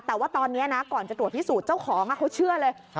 แต่ว่าตอนนี้นะก่อนจะตรวจพิสูจน์เจ้าของเขาเชื่อเลย